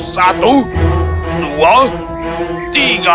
satu dua tiga